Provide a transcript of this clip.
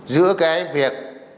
giữa cái việc